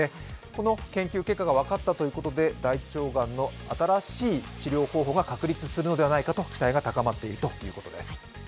この研究結果が分かったということで、大腸がんの新しい治療方法が確立するのではないかと期待が高まっているということです。